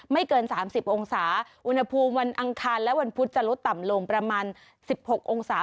เกิน๓๐องศาอุณหภูมิวันอังคารและวันพุธจะลดต่ำลงประมาณ๑๖องศา